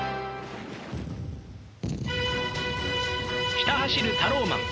ひた走るタローマン。